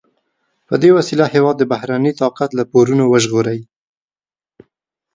په دې وسیله هېواد د بهرني طاقت له پورونو وژغوري.